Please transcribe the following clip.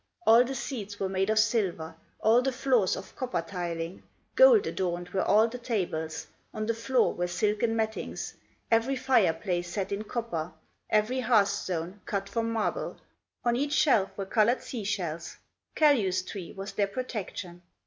All the seats were made of silver, All the floors of copper tiling, Gold adorned were all the tables, On the floor were silken mattings, Every fire place set in copper, Every hearth stone cut from marble, On each shelf were colored sea shells, Kalew's tree was their protection.